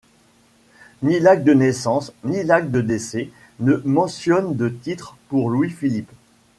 Ni l'acte de naissance ni l'acte de décès ne mentionne de titre pour Louis-Philippe.